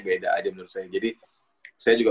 beda aja menurut saya jadi saya juga